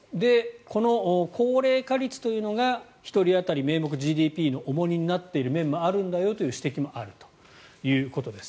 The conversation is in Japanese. この高齢化率というのが１人当たり名目ＧＤＰの重荷になっている面もあるんだよという指摘もあるということです。